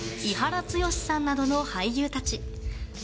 伊原剛志さんなどの俳優たち。